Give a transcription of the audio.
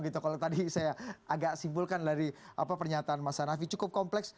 kalau tadi saya agak simpulkan dari pernyataan mas hanafi cukup kompleks